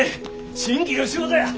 新規の仕事や！